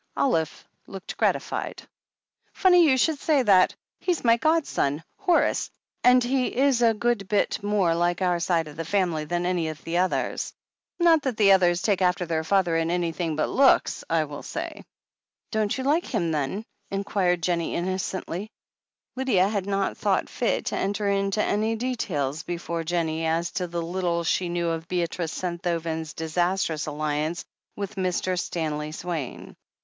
Olive looked gratified. "Funny you should say that. He's my godson — Horace — ^and he if a good bit more like our side of the family than any of the others. Not that the others take after their father in anything but looks, I will say." "Don't you like him, then?" inquired Jennie inno cently. Lydia had not thought fit to enter into any details before Jennie as to the little she knew of Beatrice Senthoven's disastrous alliance with Mr. Stanley THE HEEL OF ACHILLES 431 Swaine.